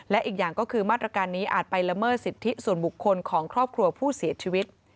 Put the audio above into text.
และอีกอย่างก็คือมาตรการนี้อาจไปละเมิดสิทธิส่วนบุคคลของครอบครัวผู้เสียชีวิต